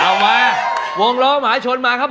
เอามาวงรอมหาชนมาครับผม